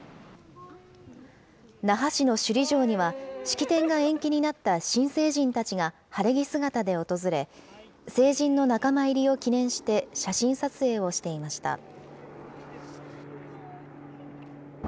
那覇市の首里城には、式典が延期になった新成人たちが晴れ着姿で訪れ、成人の仲間入りを記念して、写真撮影をしていました。